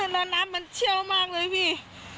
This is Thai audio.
แล้วน้ำมันเชี่ยวมากเลยพี่